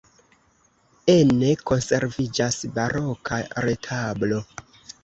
Ene konserviĝas baroka retablo.